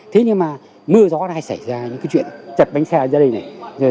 thế nhưng mà mưa gió nay xảy ra những cái chuyện chật bánh xe ra đây này